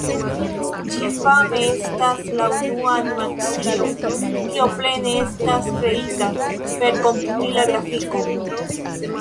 Ĝi fame estas la unua animacio, kio plene estas kreita per komputila grafiko.